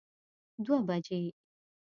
دوه بجی